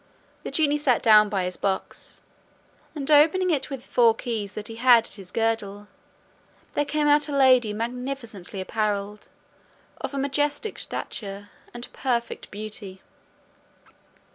The genie sat down by his box, and opening it with four keys that he had at his girdle, there came out a lady magnificently appareled, of a majestic stature, and perfect beauty.